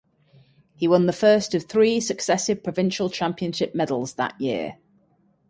He won the first of three successive provincial championship medals that year.